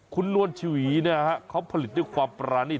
คุณนวลชวีเนี่ยฮะเขาผลิตด้วยความปราณีต